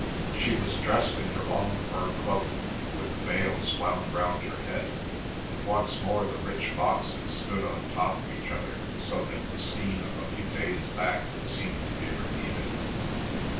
She was dressed in her long fur cloak, with the veils wound around her head, and once more the rich boxes stood on top of each other so that the scene of a few days back seemed to be repeated.